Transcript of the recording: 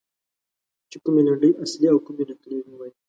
چې کومې لنډۍ اصلي او کومې نقلي ووایي.